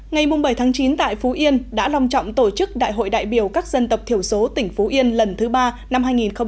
ngày bảy chín tại phú yên đã lòng trọng tổ chức đại hội đại biểu các dân tộc thiểu số tỉnh phú yên lần thứ ba năm hai nghìn một mươi chín